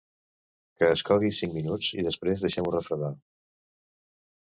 Que es cogui cinc minuts i després deixem-ho refredar.